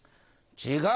違う。